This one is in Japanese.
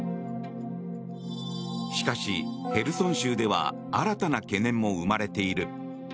しかし、ヘルソン州では新たな懸念も生まれている。